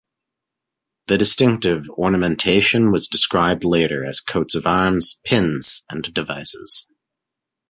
The distinctive ornamentation was described later as coats of arms, pins and devices.